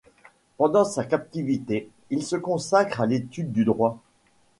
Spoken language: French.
Pendant sa captivité il se consacre à l´étude du droit.